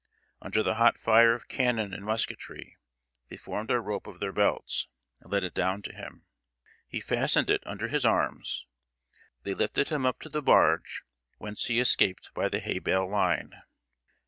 Under the hot fire of cannon and musketry, they formed a rope of their belts, and let it down to him. He fastened it under his arms; they lifted him up to the barge, whence he escaped by the hay bale line.